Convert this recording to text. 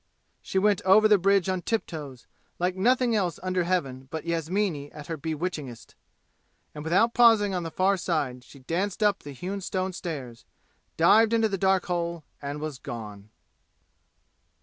She went over the bridge on tiptoes, like nothing else under heaven but Yasmini at her bewitchingest. And without pausing on the far side she danced up the hewn stone stairs, dived into the dark hole and was gone!